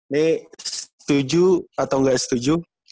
nih setuju atau gak setuju